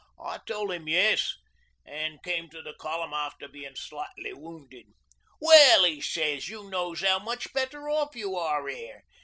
'I tole 'im yes an' came to the Column after bein' slightly wounded. '"Well," 'e sez, "you knows 'ow much better off you are 'ere.